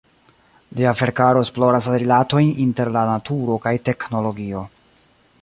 Lia verkaro esploras la rilatojn inter la naturo kaj teknologio.